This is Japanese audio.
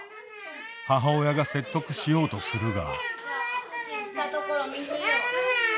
母親が説得しようとするが。